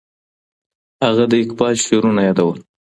هغه د اقبال شعرونه یادول.